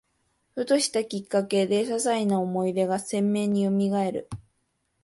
ふとしたきっかけで、ささいな思い出が鮮明によみがえる